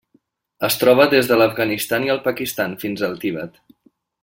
Es troba des de l'Afganistan i el Pakistan fins al Tibet.